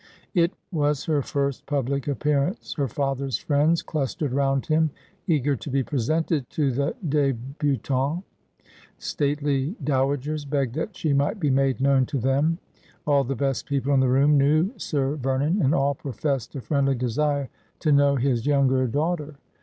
It was her first public appearance ; her father's friends clustered round him, eager to be presented to the debutante. Stately dowagers begged that she might be made known to them. All the best people in the room knew Sir Vernon, and all professed a friendly desire to know his younger daughter.